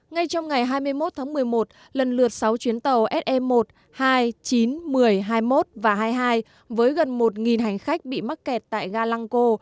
ngay trong ngày hai mươi một tháng một mươi một lần lượt sáu chuyến tàu sm một hai chín một mươi hai mươi một và hai mươi hai với gần một hành khách bị mắc kẹt tại galangco